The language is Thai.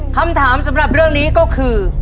คำถามสำหรับเรื่องนี้ก็คือ